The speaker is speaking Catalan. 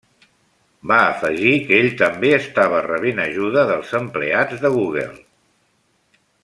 Va afegir que ell també estava rebent ajuda dels empleats de Google.